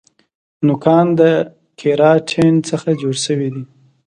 نوکان د کیراټین څخه جوړ شوي دي